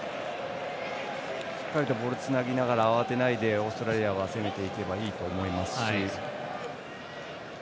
しっかりとボールをつなぎながら慌てないでオーストラリアは攻めていけばいいと思いますし。